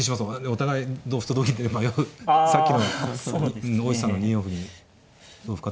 お互い同歩と同銀で迷うさっきの大石さんの２四歩に同歩か